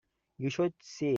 You should see it.